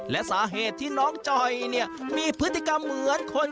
และสาเหตุที่น้องจอยเนี่ยมีพฤติกรรมเหมือนคน